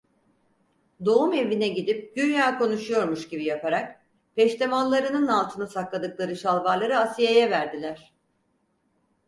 Doğumevine gidip güya konuşuyormuş gibi yaparak, peştemallarının altına sakladıkları şalvarları Asiye'ye verdiler.